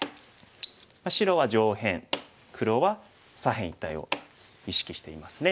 白は上辺黒は左辺一帯を意識していますね。